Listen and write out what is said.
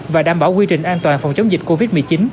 và đảm bảo quy trình an toàn phòng chống dịch covid một mươi chín